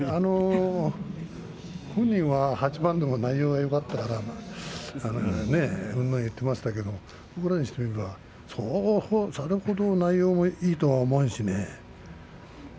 本人は８番でも内容がよかったらうんぬん言っていましたけれど僕にしてみればそれほど内容もいいとは思わないし。